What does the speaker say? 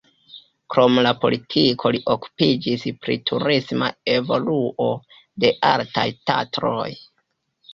Krom la politiko li okupiĝis pri turisma evoluo de Altaj Tatroj.